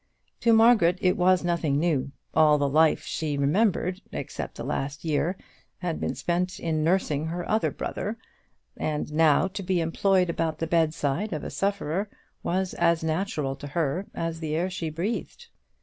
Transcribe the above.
To Margaret it was nothing new. All the life that she remembered, except the last year, had been spent in nursing her other brother; and now to be employed about the bed side of a sufferer was as natural to her as the air she breathed.